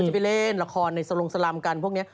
ไปเล่นละครในสลงสลัมกันพวกนี้